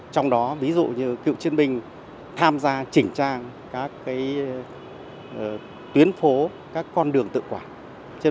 trong đó ví dụ như cựu chiến binh tham gia chỉnh trang các tuyến phố các con đường tự quản